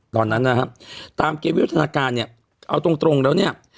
ตอนนั้นนะครับตามเกมวิวัฒนาการเนี่ยเอาตรงแล้วเนี่ย